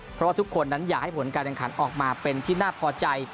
เพราะว่าทุกคนนั้นอยากให้ผลการแข่งขันออกมาเป็นที่น่าพอใจ